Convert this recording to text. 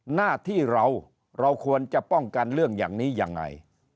หน้าที่เราเราควรจะป้องกันเรื่องอย่างนี้ยังไง